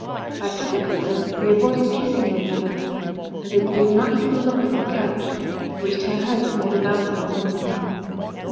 By tacit consent, they avoided kissing one another, and they did not even look at their couch, which Thérèse tumbled about in the morning.